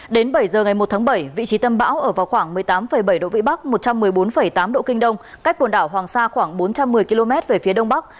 đến bảy giờ ngày một tháng bảy vị trí tâm bão ở vào khoảng một mươi tám bảy độ vĩ bắc một trăm một mươi bốn tám độ kinh đông cách quần đảo hoàng sa khoảng bốn trăm một mươi km về phía đông bắc